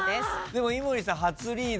でも井森さん初リーダーで。